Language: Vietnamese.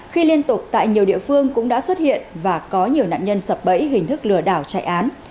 khi liên tục tại nhiều địa phương cũng đã xuất hiện và có nhiều nạn nhân sập bẫy hình thức lừa đảo chạy án